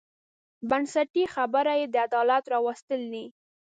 بنسټي خبره یې د عدالت راوستل دي.